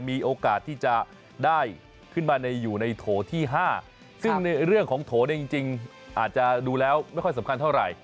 มีโอกาสที่จะได้ขึ้นมาอยู่ในโถที่๕ซึ่งในเรื่องของโถเนี่ยจริงอาจจะดูแล้วไม่ค่อยสำคัญเท่าไหร่